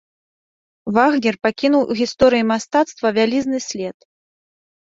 Вагнер пакінуў у гісторыі мастацтва вялізны след.